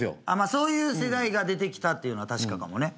そういう世代が出てきたっていうのは確かかもね。